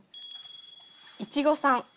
「いちごさん」。